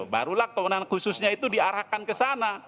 barulah towenan khususnya itu diarahkan ke sana